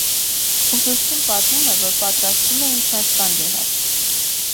Ուսուցչին պատմում է, որ պատրաստվում է ինքնասպան լինել։